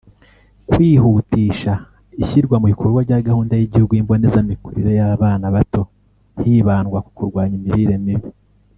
Kwihutisha ishyirwamubikorwa rya Gahunda y’Igihugu y’Imbonezamikurire y’Abana bato hibandwa ku kurwanya imirire mibi